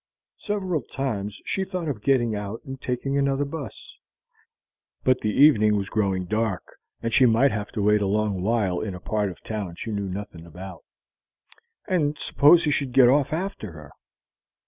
Several times she thought of getting out and taking another 'bus. But the evening was growing dark, and she might have to wait a long while in a part of town she knew nothing about. And suppose he should get off after her!